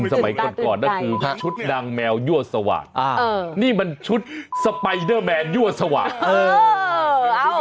สมัยก่อนนะคือชุดนางแมวยั่วสว่างนี่มันชุดสไปเดอร์แมนยั่วสว่าง